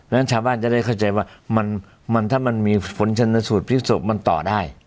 แล้วชาวบ้านจะเข้าใจว่าถ้ามันมีผลชนะสูตรพฤศจรรย์มันต่อได้